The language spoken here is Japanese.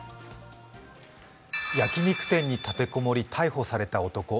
焼き肉店に立てこもり逮捕された男。